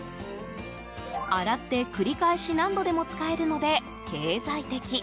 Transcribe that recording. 洗って繰り返し何度でも使えるので経済的。